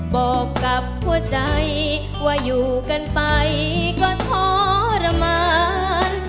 บอกกับหัวใจว่าอยู่กันไปก็ทรมาน